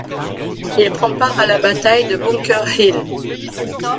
Il prend part à la bataille de Bunker Hill.